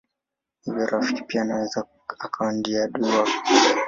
Hivyo rafiki pia anaweza akawa ndiye adui wako.